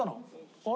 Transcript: あれ？